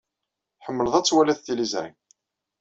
Tḥemmleḍ ad twaliḍ tiliẓri.